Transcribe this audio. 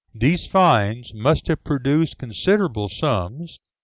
These fines must have produced considerable sums.